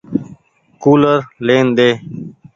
ڪولر لين ۮي۔